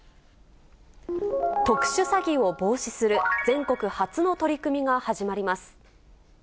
特殊詐欺を防止する全国初の取り組みが始まります。